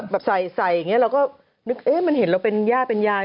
แบบใส่อย่างนี้เราก็นึกเอ๊ะมันเห็นเราเป็นย่าเป็นยาย